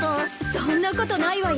そんなことないわよ。